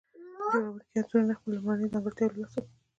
جوړونکي عنصرونه خپل لومړني ځانګړتياوي له لاسه ورکوي.